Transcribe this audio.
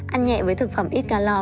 ăn nhẹ với thực phẩm ít calor